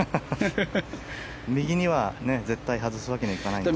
右には絶対外すわけにはいかないので。